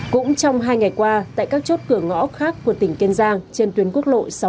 cũng trong hai ngày qua tại các chốt cửa ngõ khác của tỉnh kiên giang trên tuyến quốc lộ sáu mươi một